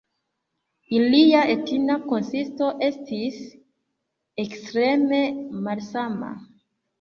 Ilia etna konsisto estis ekstreme malsama.